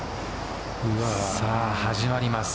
さあ、始まります。